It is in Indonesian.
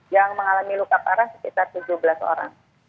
yang mengalami luka parah sekitar tujuh belas orang